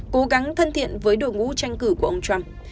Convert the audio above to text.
cố gắng thân thiện với đội ngũ tranh cử của ông trump